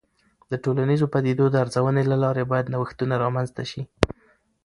د ټولنیزو پدیدو د ارزونې له لارې باید نوښتونه رامنځته سي.